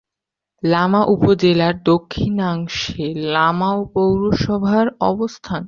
লামা উপজেলার দক্ষিণাংশে লামা পৌরসভার অবস্থান।